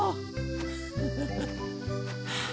フフフフ。